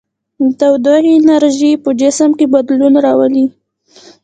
د تودوخې انرژي په جسم کې بدلون راولي.